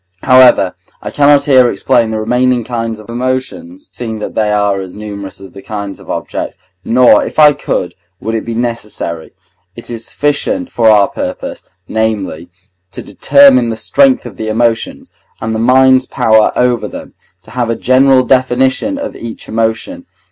However, I cannot here explain the remaining kinds of emotions (seeing that they are as numerous as the kinds of objects), nor, if I could, would it be necessary. It is sufficient for our purpose, namely, to determine the strength of the emotions, and the mind's power over them, to have a general definition of each emotion.